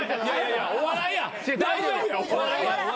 『お笑い』や大丈夫よ。